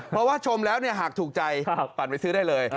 เพราะว่าชมแล้วหากถูกใจปั่นไปซื้อได้เลย